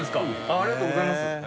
ありがとうございます。